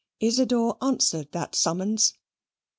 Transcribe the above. Isidor answered that summons.